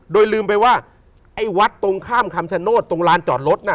โดยลืมไปว่าไอ้วัดตรงข้ามคำชโนธตรงลานจอดรถน่ะ